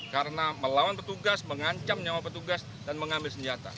karena melawan petugas mengancam nyawa petugas dan mengambil senjata